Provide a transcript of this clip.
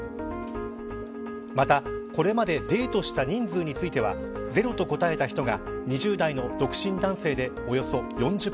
また、これまでデートした人数についてはゼロと答えた人が２０代の独身男性でおよそ４０％。